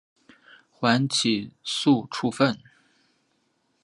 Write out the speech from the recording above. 缓起诉处分。